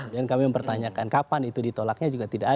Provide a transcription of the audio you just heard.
dan kami mempertanyakan kapan itu ditolaknya juga tidak ada